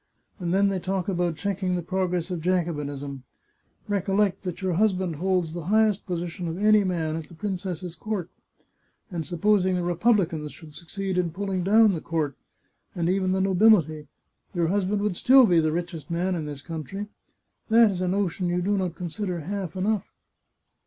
And then they talk about checking the progress of Jacobinism ! Recollect that your husband holds the highest position of any man at the princess's court. And supposing the republicans should succeed in pulling down the court, and even the nobility, your husband would still be the richest man in this country. That is a notion you do not consider half enough."